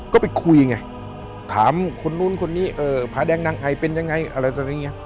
ก็ไปคุยไงถามคนนู้นคนนี้ผาแดงนางไอเป็นยังไงอะไรตอนนี้